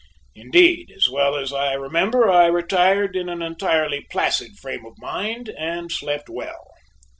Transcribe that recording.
Indeed, as well as I remember, I retired in an entirely placid frame of mind, and slept well.